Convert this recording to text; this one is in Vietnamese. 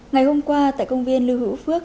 ngày hôm qua tại công viên lưu hữu phước